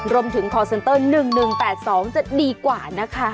คอร์เซ็นเตอร์๑๑๘๒จะดีกว่านะคะ